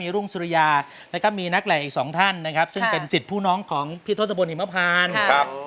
มีรุ่งสุริยะและก็มีนักไหล่อีกสองท่านซึ่งเป็นสิทธิพูน้องของพี่โทษภบนฮิมพาท